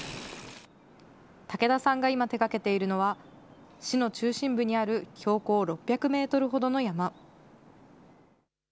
竹田さんが今手がけているのは、市の中心部にある標高６００メートルほどの山。